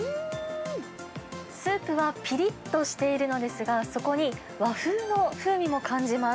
スープはぴりっとしているのですが、そこに和風の風味も感じます。